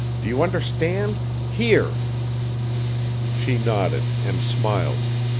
"Do you understand! HERE!" She nodded, and smiled.